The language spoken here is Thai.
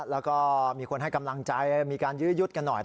แล้วก็มีคนให้กำลังใจมีการยื้อยุดกันหน่อย